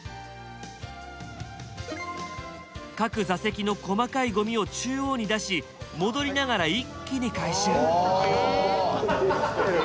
各座席の細かいゴミを中央に出し戻りながら一気に回収。